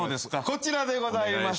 こちらでございます。